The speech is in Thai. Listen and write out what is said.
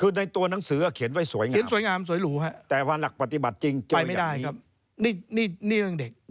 คือในตัวหนังสือเขียนไว้สวยงามสวยหรูครับไปไม่ได้ครับนี่เรื่องเด็ก